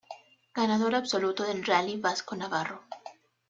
Ganador absoluto del Rallye Vasco Navarro.